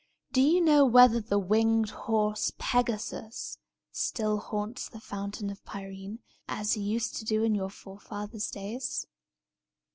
Do you know whether the winged horse Pegasus still haunts the Fountain of Pirene, as he used to do in your forefathers' days?"